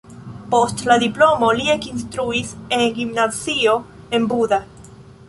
Post la diplomo li ekinstruis en gimnazio en Buda.